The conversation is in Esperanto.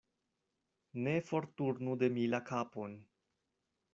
Ne forturnu de mi la kapon.